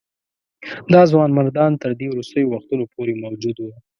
دا ځوانمردان تر دې وروستیو وختونو پورې موجود وه.